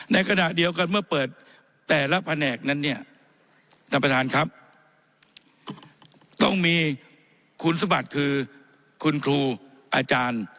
ในขณะเดียวกันเมื่อเปิดแต่ละแผนกนั้นต้องมีคุณสมัติคือคุณครูอาจารย์